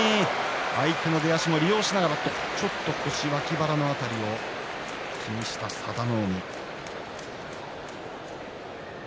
相手の出足も利用しながらちょっと腰、脇腹の辺りを気にした佐田の海。